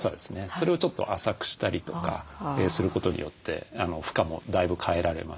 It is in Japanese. それをちょっと浅くしたりとかすることによって負荷もだいぶ変えられますし